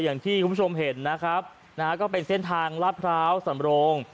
อย่างที่คุณผู้ชมเห็นนะครับนะฮะก็เป็นเส้นทางลาดพร้าวสำโรง